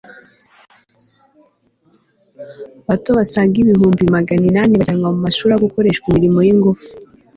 bato basaga ibihumbi magana inani bajyanwa mu ishuri aho gukoreshwaimirimo y'ingufu